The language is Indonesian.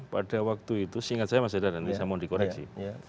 pada waktu itu seingat saya mas hadar dan nisa mohon dikoreksi